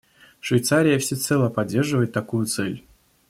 Швейцария всецело поддерживает такую цель.